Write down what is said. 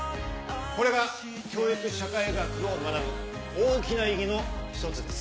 これが教育社会学を学ぶ大きな意義の１つです。